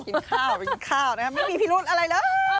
ไปกินข้าวนะครับไม่มีพี่รุนอะไรเลย